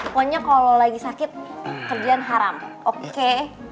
pokoknya kalau lagi sakit kerjaan haram oke